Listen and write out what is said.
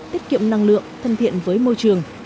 tiết kiệm năng lượng thân thiện với môi trường